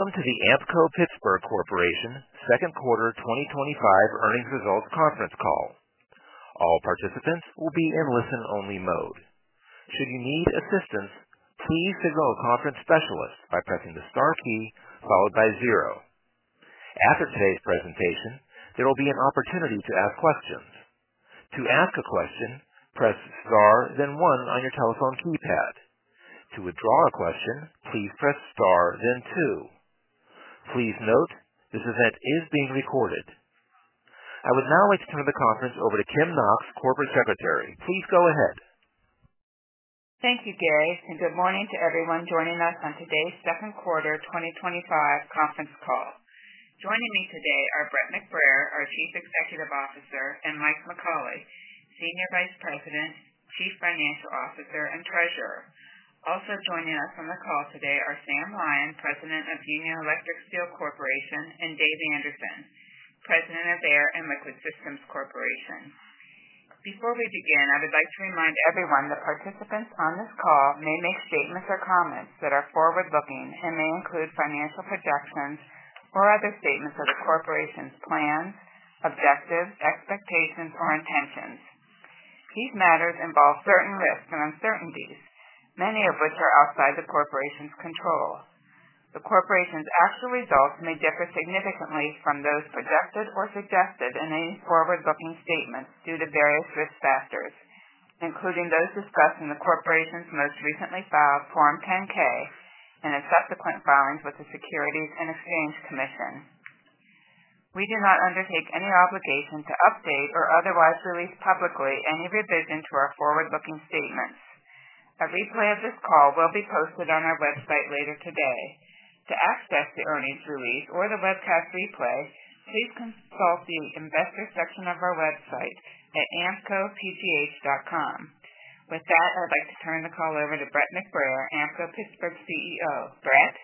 Welcome to the Ampco-Pittsburgh Corporation Second Quarter 2025 Earnings Results Conference Call. All participants will be in listen-only mode. If you need assistance, please signal a conference specialist by pressing the star key followed by zero. After today's presentation, there will be an opportunity to ask questions. To ask a question, press star, then one on your telephone's keypad. To withdraw a question, please press star, then two. Please note this event is being recorded. I would now like to turn the conference over to Kim Knox, Corporate Secretary. Please go ahead. Thank you, Gary, and good morning to everyone joining us on today's Second Quarter 2025 Conference Call. Joining me today are Brett McBrayer, our Chief Executive Officer, and Mike McAuley, Senior Vice President, Chief Financial Officer, and Treasurer. Also joining us on the call today are Sam Lyon, President of Union Electric Steel Corporation, and David Anderson, President of Air & Liquid Systems Corporation. Before we begin, I would like to remind everyone that participants on this call may make statements or comments that are forward-looking and may include financial projections or other statements of the corporation's plans, objectives, expectations, or intentions. These matters involve certain risks and uncertainties, many of which are outside the corporation's control. The corporation's actual results may differ significantly from those projected or suggested in any forward-looking statement due to various risk factors, including those discussed in the corporation's most recently filed Form 10-K and its subsequent filings with the Securities and Exchange Commission. We do not undertake any obligation to update or otherwise release publicly any revision to our forward-looking statements. A replay of this call will be posted on our website later today. To access the earnings release or the webcast replay, please consult the investors' section of our website at amcocgh.com. With that, I would like to turn the call over to Brett McBrayer, Ampco-Pittsburgh's CEO. Brett?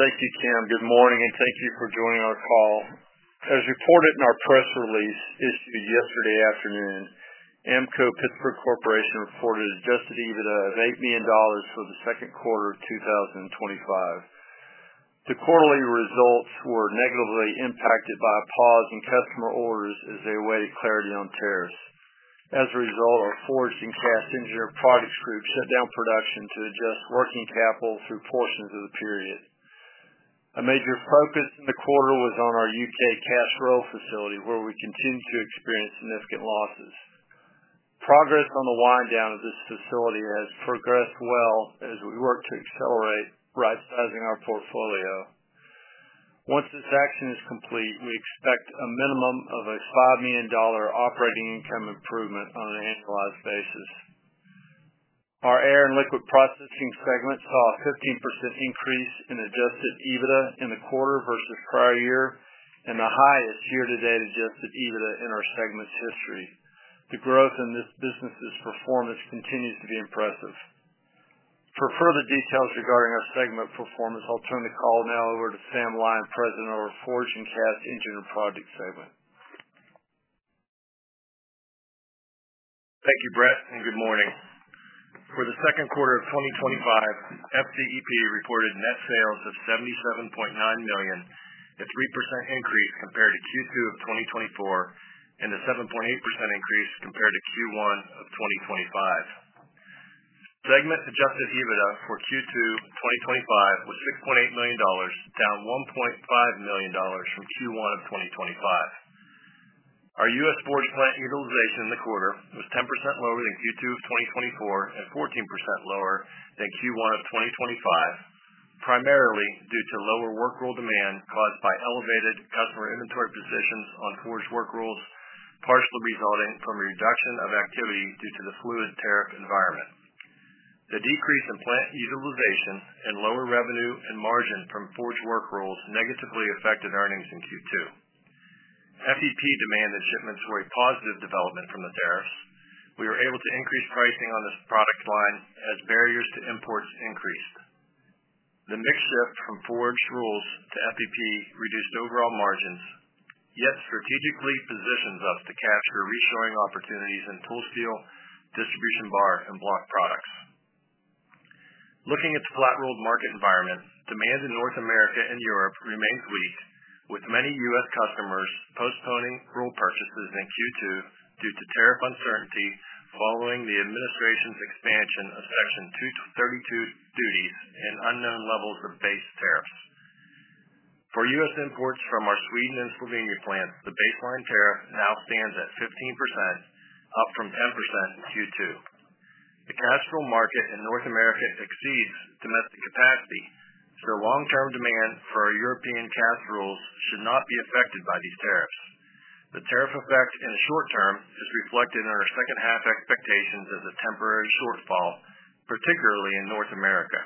Thank you, Kim. Good morning and thank you for joining our call. As reported in our press release issued yesterday afternoon, Ampco-Pittsburgh Corporation reported an adjusted EBITDA of $8 million for the second quarter of 2025. The quarterly results were negatively impacted by a pause in customer orders as they await clarity on tariffs. As a result, our forged and cast engineered product groups shut down production to adjust working capital through portions of the period. A major focus in the quarter was on our UK cast roll facility where we continue to experience significant losses. Progress on the wind-down of this facility has progressed well as we work to accelerate right-sizing our portfolio. Once this action is complete, we expect a minimum of a $5 million operating income improvement on an annualized basis. Our air and liquid processing segments saw a 15% increase in adjusted EBITDA in the quarter versus prior year and the highest year-to-date adjusted EBITDA in our segment's history. The growth in this business's performance continues to be impressive. For further details regarding our segment performance, I'll turn the call now over to Sam Lyon, President of our forged and cast engineered product segment. Thank you, Brett, and good morning. For the second quarter of 2025, FDEP reported net sales of $77.9 million, a 3% increase compared to Q2 of 2024, and a 7.8% increase compared to Q1 of 2025. Segment adjusted EBITDA for Q2 of 2025 was $6.8 million, down $1.5 million from Q1 of 2025. Our U.S. forged plant utilization in the quarter was 10% lower than Q2 of 2024 and 14% lower than Q1 of 2025, primarily due to lower work roll demand caused by elevated customer inventory positions on forged work rolls, partially resulting from a reduction of activity due to the fluid tariff environment. The decrease in plant utilization and lower revenue and margin from forged work rolls negatively affected earnings in Q2. Forged engineered products demand and shipments were a positive development from the tariffs. We were able to increase pricing on this product line as barriers to imports increased. The mix shift from forged rolls to forged engineered products reduced overall margins, yet strategically positions us to cash for reshoring opportunities in pooled steel, distribution bar, and block products. Looking at the flat-rolled market environment, demand in North America and Europe remains weak, with many U.S. customers postponing roll purchases in Q2 due to tariff uncertainty following the administration's expansion of Section 232 duties and unknown levels of base tariffs. For U.S. imports from our Sweden and Slovenia plants, the baseline tariff now stands at 15%, up from 10% in Q2. The cast roll market in North America exceeds domestic capacity, so long-term demand for our European cast rolls should not be affected by these tariffs. The tariff effects in the short term should reflect in our second half expectations as a temporary shortfall, particularly in North America.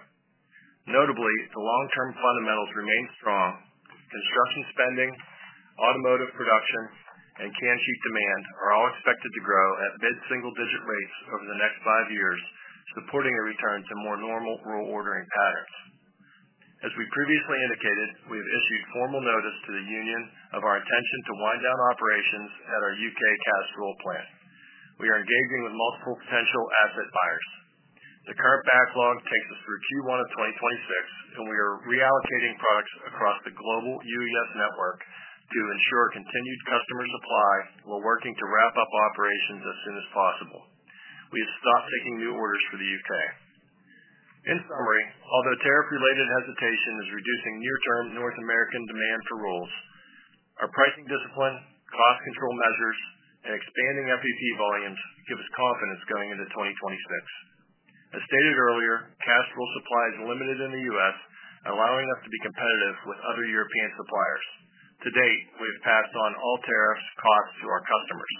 Notably, the long-term fundamentals remain strong. Construction spending, automotive production, and canned sheet demand are all expected to grow at mid-single-digit rates over the next five years, supporting a return to more normal roll ordering patterns. As we previously indicated, we have issued formal notice to the Union of our intention to wind down operations at our UK cast roll plant. We are engaging with multiple potential asset buyers. The current backlog takes us through Q1 of 2026, and we are reallocating products across the global Union Electric Steel Corporation network to ensure continued customer supply while working to wrap up operations as soon as possible. We have stopped taking new orders for the UK. In summary, although tariff-related hesitation is reducing near-term North American demand for rolls, our pricing discipline, cost control measures, and expanding forged engineered products volumes give us confidence going into 2026. As stated earlier, cast roll supply is limited in the U.S., allowing us to be competitive with other European suppliers. To date, we have passed on all tariff costs to our customers.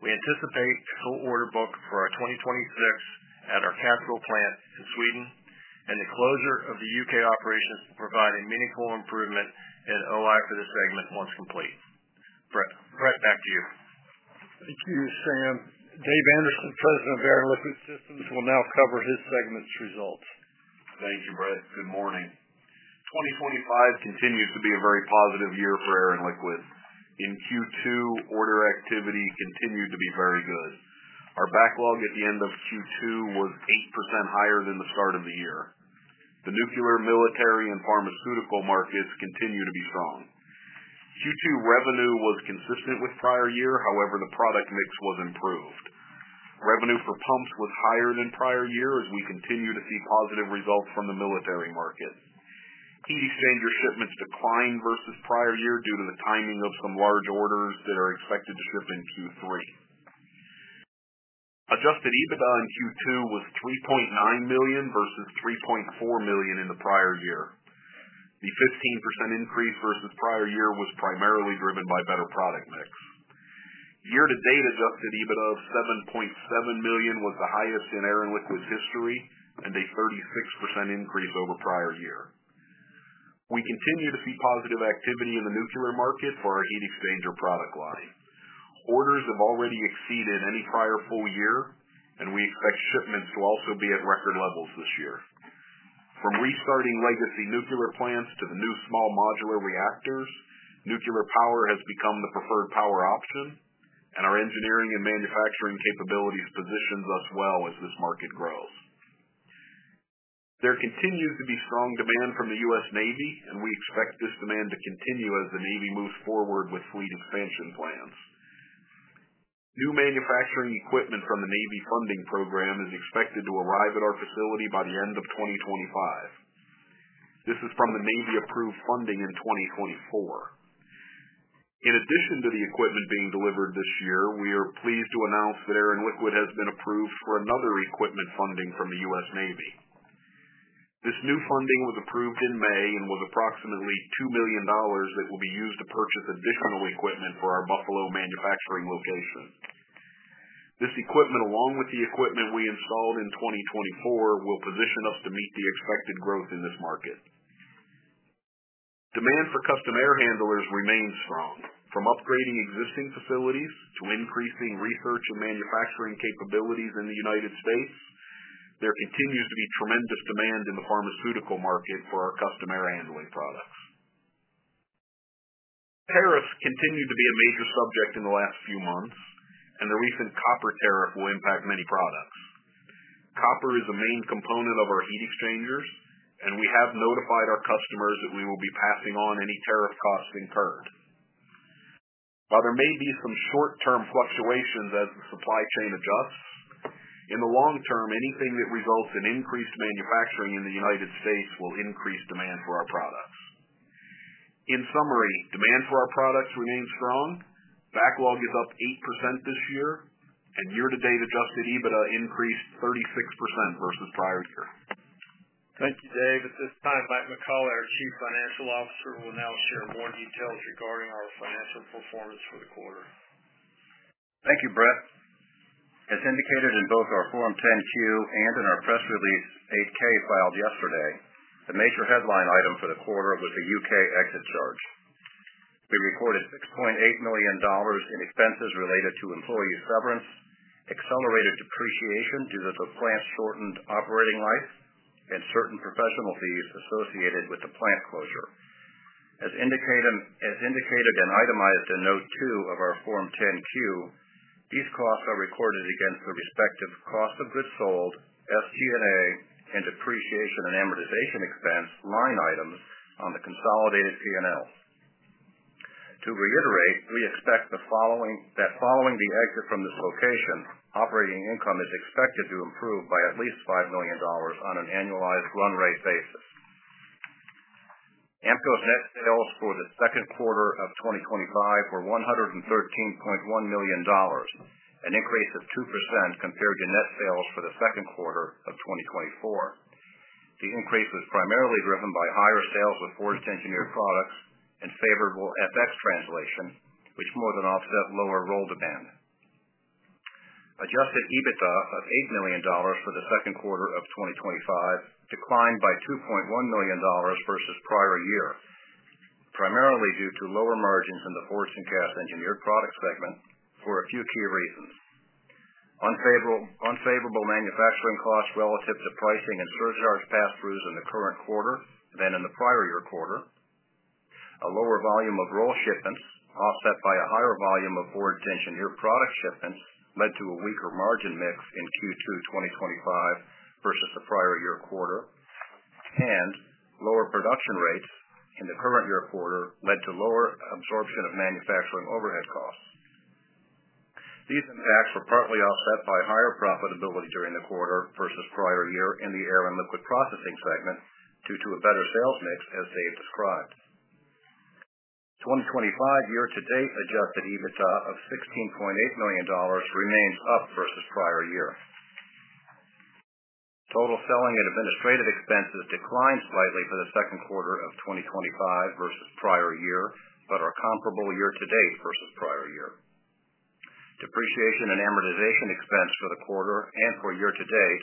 We anticipate a full order book for 2026 at our cast roll plant in Sweden and the closure of the UK operations providing meaningful improvement in operating income for this segment once complete. Brett, back to you. Thank you, Sam. David Anderson, President of Air & Liquid Systems Corporation, will now cover his segment's results. Thank you, Brett. Good morning. 2025 continues to be a very positive year for Air & Liquid Systems Corporation. In Q2, order activity continued to be very good. Our backlog at the end of Q2 was 8% higher than the start of the year. The nuclear, military, and pharmaceutical markets continue to be strong. Q2 revenue was consistent with prior year, however, the product mix was improved. Revenue for pumps was higher than prior year, and we continue to see positive results from the military markets. Heat exchanger shipments declined versus prior year due to the timing of some large orders that are expected to ship in Q3. Adjusted EBITDA in Q2 was $3.9 million versus $3.4 million in the prior year. The 15% increase versus prior year was primarily driven by better product mix. Year-to-date adjusted EBITDA of $7.7 million was the highest in Air & Liquid Systems Corporation's history and a 36% increase over prior year. We continue to see positive activity in the nuclear market for our heat exchanger product line. Orders have already exceeded any prior full year, and we expect shipments to also be at record levels this year. From restarting legacy nuclear plants to the new small modular reactors, nuclear power has become the preferred power option, and our engineering and manufacturing capabilities position us well as this market grows. There continues to be strong demand from the U.S. Navy, and we expect this demand to continue as the Navy moves forward with fleet expansion plans. New manufacturing equipment from the Navy funding program is expected to arrive at our facility by the end of 2025. This is from the Navy-approved funding in 2024. In addition to the equipment being delivered this year, we are pleased to announce that Air & Liquid Systems Corporation has been approved for another equipment funding from the U.S. Navy. This new funding was approved in May and was approximately $2 million that will be used to purchase additional equipment for our Buffalo manufacturing location. This equipment, along with the equipment we installed in 2024, will position us to meet the expected growth in this market. Demand for custom air handling units remains strong. From upgrading existing facilities to increasing research and manufacturing capabilities in the United States, there continues to be tremendous demand in the pharmaceutical market for our custom air handling products. Tariffs continue to be a major subject in the last few months, and the recent copper tariff will impact many products. Copper is a main component of our heat exchangers, and we have notified our customers that we will be passing on any tariff costs in turn. While there may be some short-term fluctuations as the supply chain adjusts, in the long term, anything that results in increased manufacturing in the United States will increase demand for our products. In summary, demand for our products remains strong. Backlog is up 8% this year, and year-to-date adjusted EBITDA increased 36% versus prior year. Thank you, Dave. At this time, Mike McAuley, our Chief Financial Officer, will announce more details regarding our financial performance for the quarter. Thank you, Brett. As indicated in both our Form 10-Q and in our press release 8-K filed yesterday, the major headline item for the quarter was the UK exit charge. The recorded $6.8 million in expenses related to employee severance, accelerated depreciation due to the plant's shortened operating life, and certain professional fees associated with the plant closure. As indicated and itemized in note two of our Form 10-Q, these costs are recorded against the respective cost of goods sold, SG&A, and depreciation and amortization expense line item on the consolidated CNL. To reiterate, we expect that following the exit from this location, operating income is expected to improve by at least $5 million on an annualized run rate basis. Ampco-Pittsburgh Corporation's net sales for the second quarter of 2025 were $113.1 million, an increase of 2% compared to net sales for the second quarter of 2024. The increase was primarily driven by higher sales of forged engineered products and favorable FS translation, which more than offset lower roll demand. Adjusted EBITDA of $8 million for the second quarter of 2025 declined by $2.1 million versus prior year, primarily due to lower margins in the forged and cast engineered product segment for a few key reasons. Unfavorable manufacturing costs relative to pricing and further pass-throughs in the current quarter than in the prior year quarter. A lower volume of roll shipments offset by a higher volume of forged engineered product shipments led to a weaker margin mix in Q2 2025 versus the prior year quarter, and lower production rates in the current year quarter led to lower absorption of manufacturing overhead costs. These impacts were partly offset by higher profitability during the quarter versus prior year in the air and liquid processing segment due to a better sales mix as Dave described. 2025 year-to-date adjusted EBITDA of $16.8 million remains up versus prior year. Total selling and administrative expenses declined slightly for the second quarter of 2025 versus prior year, but are comparable year-to-date versus prior year. Depreciation and amortization expense for the quarter and for year-to-date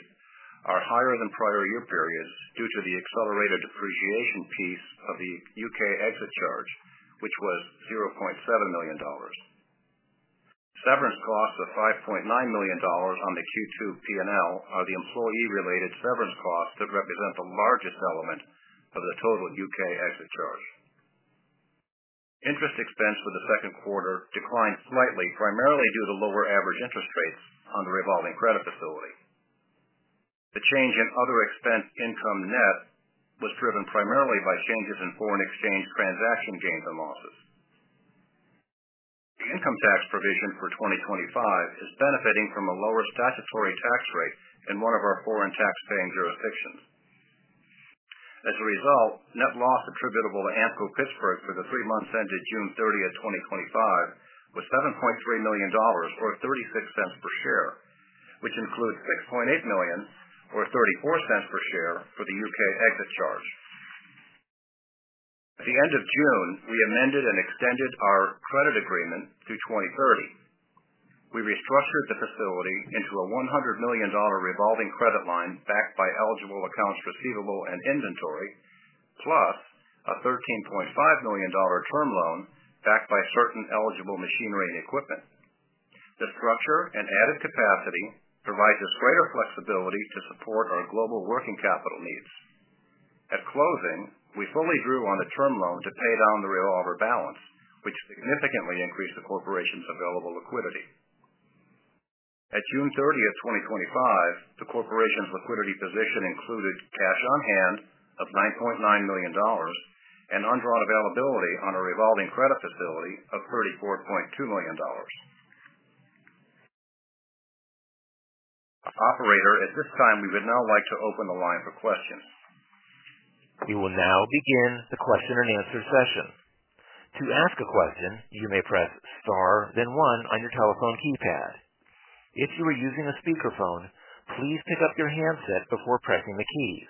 are higher than prior year period due to the accelerated depreciation piece of the UK exit charge, which was $0.7 million. Severance costs of $5.9 million on the Q2 P&L are the employee-related severance costs that represent the largest element of the total UK exit charge. Interest expense for the second quarter declined slightly, primarily due to lower average interest rates on revolving credit facilities. The change in other expense income nets was driven primarily by changes in foreign exchange transaction gains and losses. The income tax provision for 2025 is benefiting from a lower statutory tax rate in one of our foreign tax-paying jurisdictions. As a result, net loss attributable to Ampco-Pittsburgh Corporation for the three months ended June 30, 2025, was $7.3 million or $0.36 per share, which includes $6.8 million or $0.34 per share for the UK exit charge. At the end of June, we amended and extended our credit agreement to 2030. We restructured the facility into a $100 million revolving credit line backed by eligible accounts receivable and inventory, plus a $13.5 million term loan backed by certain eligible machinery and equipment. The structure and added capacity provide us greater flexibility to support our global working capital needs. At closing, we fully drew on the term loan to pay down the revolver balance, which significantly increased the corporation's available liquidity. At June 30, 2025, the corporation's liquidity position included cash on hand of $9.9 million and undrawn availability on a revolving credit facility of $34.2 million. Operator, at this time, we would now like to open the line for questions. We will now begin the question and answer session. To ask a question, you may press star, then one on your telephone keypad. If you are using a speakerphone, please pick up your handset before pressing the keys.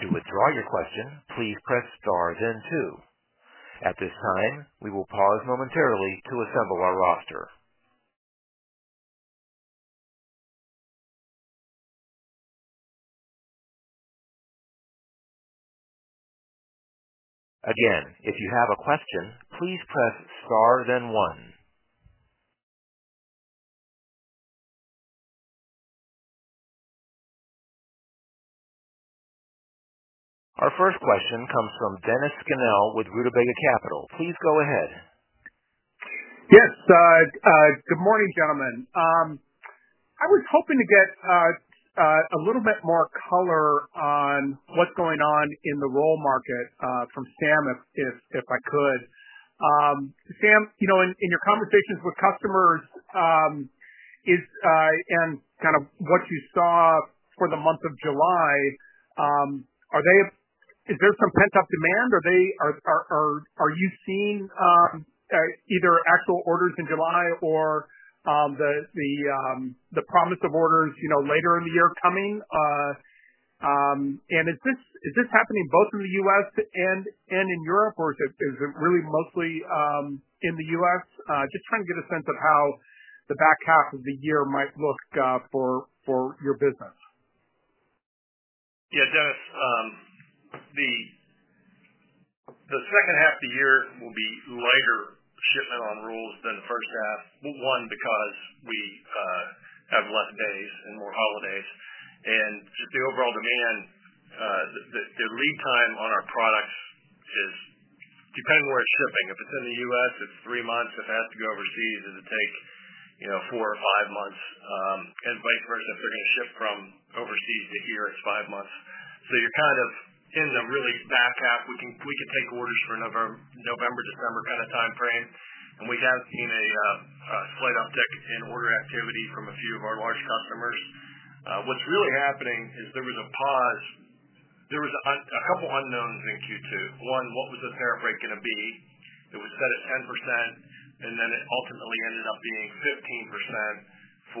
To withdraw your question, please press star, then two. At this time, we will pause momentarily to assemble our roster. Again, if you have a question, please press star, then one. Our first question comes from Dennis Scannell with Rutabega Capital. Please go ahead. Yes. Good morning, gentlemen. I was hoping to get a little bit more color on what's going on in the roll market from Sam, if I could. Sam, in your conversations with customers, and kind of what you saw for the month of July, is there some pent-up demand or are you seeing either actual orders in July or the promise of orders later in the year coming? Is this happening both in the U.S. and in Europe, or is it really mostly in the U.S.? I'm just trying to get a sense of how the back half of the year might look for your business. Yeah, Dennis, the second half of the year will be lighter shipment on rolls than the first half, one, because we have less days and more holidays. The overall demand, the lead time on our products is depending where it's shipping. If it's in the U.S., it's three months. If it has to go overseas, it would take, you know, four or five months. Vice versa, if you're going to ship from overseas to here, it's five months. You're kind of in the really back half. We could take orders for November, December kind of timeframe. We have seen a slight uptick in order activity from a few of our large customers. What's really happening is there was a pause. There was a couple of unknowns in Q2. One, what was the tariff rate going to be? It was set at 10%, and then it ultimately ended up being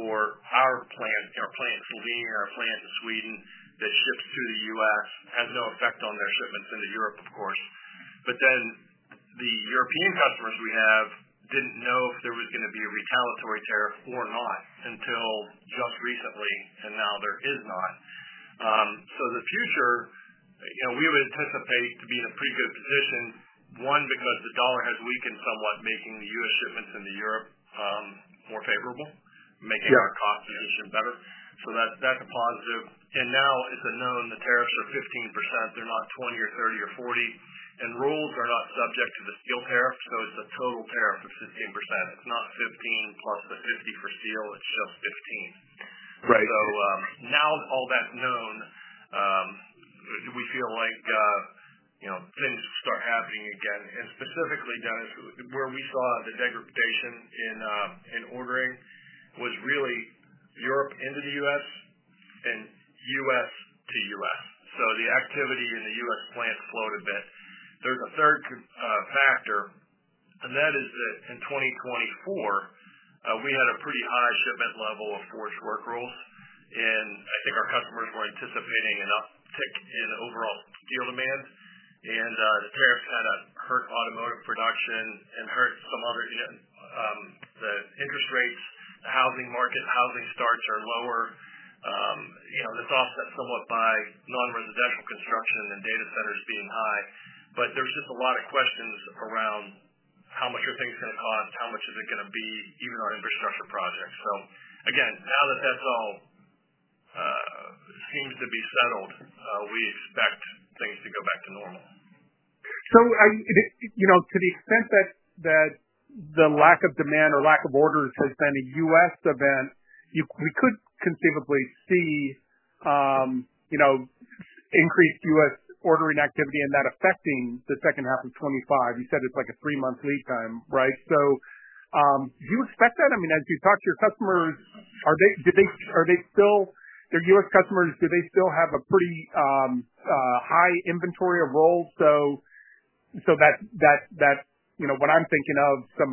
15% for our plant, our plant in Slovenia, our plant in Sweden that ships to the U.S. It has no effect on their shipments into Europe, of course. The European customers we have didn't know if there was going to be a retaliatory tariff or not until just recently, and now there is not. For the future, you know, we would anticipate to be in a pretty good position, one, because the dollar has weakened somewhat, making the U.S. shipments into Europe more favorable, making our cost position better. That's a positive. Now it's a known the tariffs are 15%. They're not 20% or 30% or 40%. Rolls are not subject to the steel tariff, so it's a total tariff of 15%. It's not 15% plus the 50% for steel. It's just 15%. Right. Now all that's known, we feel like, you know, things start happening again. Specifically, Dennis, where we saw the degradation in ordering was really Europe into the U.S. and U.S. to U.S. The activity in the U.S. plants slowed a bit. There's a third factor, and that is that in 2024, we had a pretty high shipment level of forged work rolls. I think our customers were anticipating an uptick in overall fuel demands. The tariffs had hurt automotive production and hurt some other, you know, the interest rates. The housing market, housing starts are lower. You know, that's offset somewhat by non-residential construction and data centers being high. There's just a lot of questions around how much are things going to cost, how much is it going to be, even our infrastructure projects. Now that that's all, seems to be settled, we expect things to go back to normal. To the extent that the lack of demand or lack of orders has been a U.S. event, we could conceivably see increased U.S. ordering activity and that affecting the second half of 2025. You said it's like a three-month lead time, right? Do you expect that? As you talk to your customers, do they, the U.S. customers, still have a pretty high inventory of rolls? That's what I'm thinking of. Some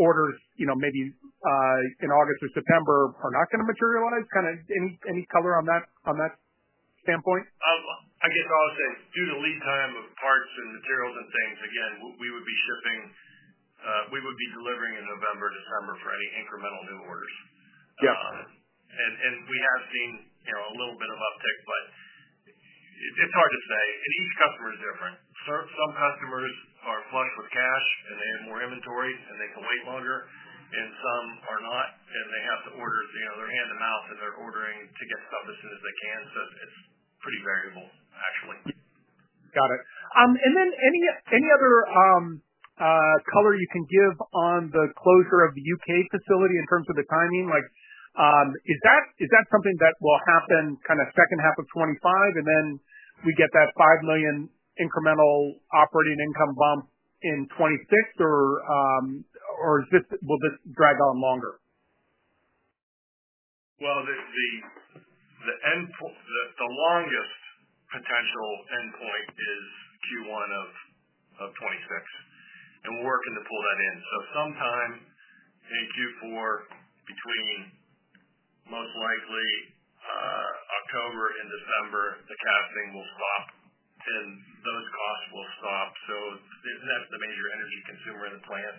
orders, maybe in August or September, are not going to materialize. Any color on that, on that standpoint? I guess I'll say it's due to the lead time of parts and materials and things. We would be shipping, we would be delivering in November, December for any incremental new orders. We have seen a little bit of uptick, but it's hard to say. Each customer is different. Some customers are plugged with cash and they need more inventory, and they can wait longer. Some are not, and they have to order, they're hand-to-mouth and they're ordering to get stuff as soon as they can. It's pretty variable, actually. Got it. Any other color you can give on the closure of the UK facility in terms of the timing? Is that something that will happen kind of second half of 2025 and then we get that $5 million incremental operating income bump in 2026? Or will this drag on longer? The longest potential endpoint is Q1 of 2026. We're working to pull that in. Sometime in Q4, most likely between October and December, the casting will drop and those costs will stop. That's the major energy consumer in the plant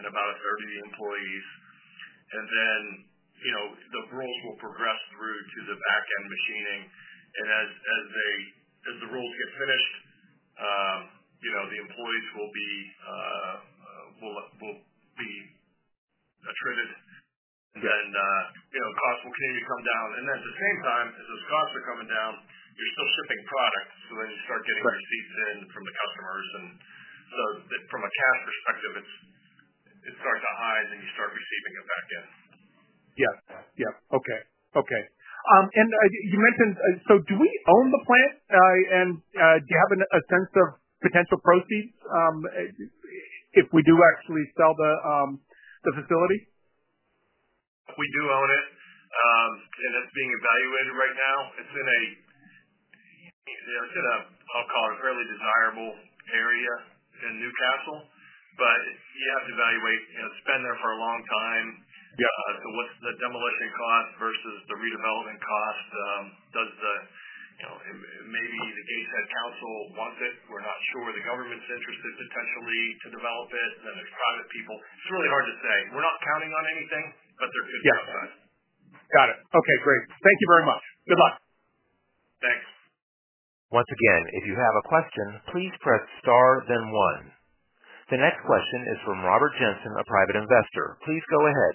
and about 30 employees. The rolls will progress through to the backend machining. As the rolls get finished, the employees will be attributed and costs will continue to come down. At the same time, as those costs are coming down, you're still shipping product. You start getting receipts in from the customers. From a cash perspective, it starts at high, and then you start receiving it back in. Yes. Okay. You mentioned, do we own the plant, and do you have a sense of potential proceeds if we do actually sell the facility? We do own it, and it's being evaluated right now. It's in a, I'll call it a fairly desirable area in Newcastle. You have to evaluate, it's been there for a long time. What's the demolition cost versus the redevelopment cost? Does the, you know, maybe the ASET Council want it? We're not sure. The government's interested potentially to develop it, and then there's private people. It's really hard to say. We're not counting on anything, but there could be sometimes. Got it. Okay. Great. Thank you very much. Good luck. Thanks. Once again, if you have a question, please press star, then one. The next question is from Robert Jensen, a private investor. Please go ahead.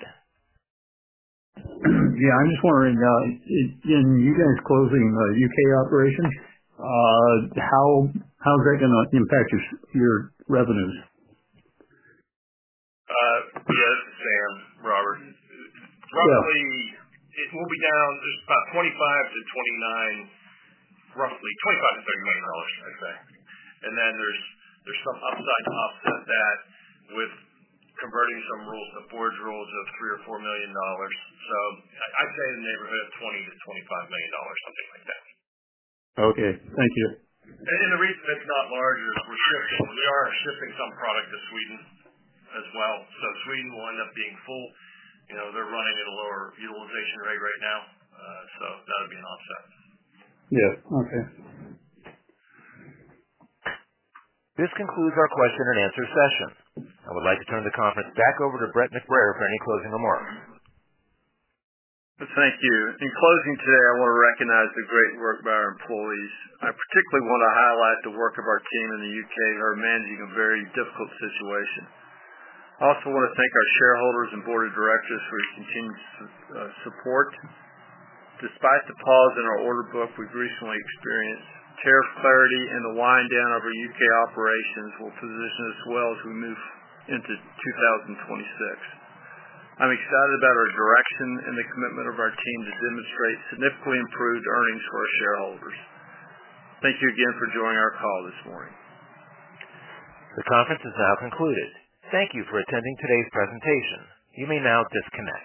Yeah, I'm just wondering, in you guys closing a UK operation, how is that going to impact your revenues? Yeah. That's the same, Robert. It will be down about $25 million-$29 million, roughly $25 million-$30 million, I'd say. There's some upside to offset that with converting some rolls to forged rolls of $3 million or $4 million. I'd say in the neighborhood of $20 million-$25 million, something like that. Okay, thank you. The reason it's not larger is we're shipping some product to Sweden as well. Sweden will end up being full. You know, they're running at a lower utilization rate right now, so that'll be an offset. Yeah. Okay. This concludes our question and answer session. I would like to turn the conference back over to Brett McBrayer for any closing remarks. Thank you. In closing today, I want to recognize the great work by our employees. I particularly want to highlight the work of our team in the UK who are managing a very difficult situation. I also want to thank our shareholders and Board of Directors for continuing support. Despite the pause in our order book, we've recently experienced tariff clarity, and the wind-down of our UK operations will position us well as we move into 2026. I'm excited about our direction and the commitment of our teams to demonstrate significantly improved earnings for our shareholders. Thank you again for joining our call this morning. The conference is now concluded. Thank you for attending today's presentation. You may now disconnect.